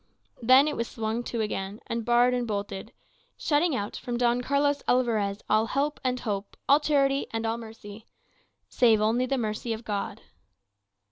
Then it was swung to again, and barred and bolted, shutting out from Don Carlos Alvarez all help and hope, all charity and all mercy save only the mercy of God.